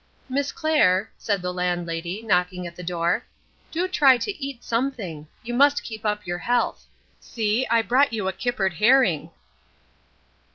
"Miss Clair," said the Landlady, knocking at the door, "do try to eat something. You must keep up your health. See, I've brought you a kippered herring."